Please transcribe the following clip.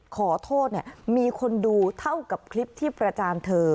ขอโทษเนี่ยมีคนดูเท่ากับคลิปที่ประจานเธอ